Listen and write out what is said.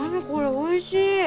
おいしい！